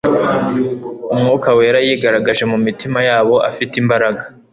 Umwuka wera yigaragaje mu mitima yabo afite imbaraga,